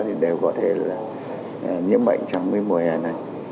thì đều có thể là nhiễm bệnh trong cái mùa hè này